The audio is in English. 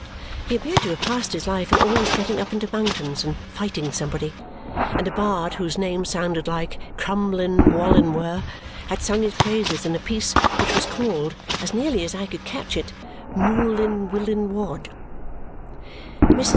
He appeared to have passed his life in always getting up into mountains and fighting somebody; and a bard whose name sounded like Crumlinwallinwer had sung his praises in a piece which was called, as nearly as I could catch it, Mewlinnwillinwodd. Mrs.